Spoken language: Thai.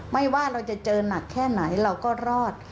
ว่าเราจะเจอหนักแค่ไหนเราก็รอด